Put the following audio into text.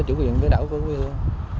chủ quyền biển đảo của quân quân